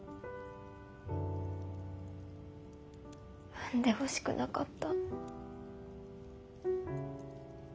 産んでほしくなかった。